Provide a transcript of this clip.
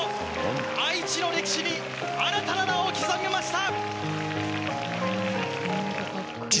愛知の歴史に新たな名を刻みました！